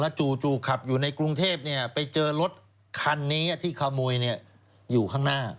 จู่ขับอยู่ในกรุงเทพไปเจอรถคันนี้ที่ขโมยอยู่ข้างหน้า